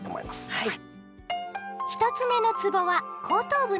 はい。